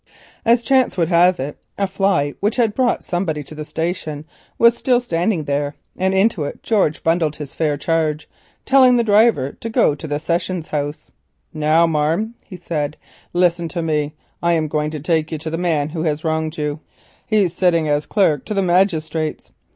It chanced that a fly which had brought somebody to the station was still standing there. George bundled his fair charge into it, telling the driver to go to the Sessions House. "Now, marm," he said, "listen to me; I'm a going to take you to the man as hev wronged you. He's sitting as clerk to the magistrates.